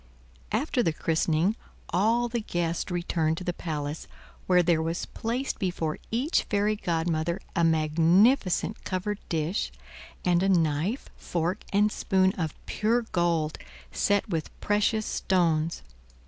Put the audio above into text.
After the christening all the guests returned to the palace, where there was placed before each fairy godmother a magnificent covered dish, and a knife, fork, and spoon of pure gold, set with precious stones.